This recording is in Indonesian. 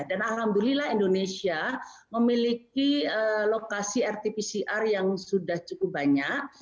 dan alhamdulillah indonesia memiliki lokasi rt pcr yang sudah cukup banyak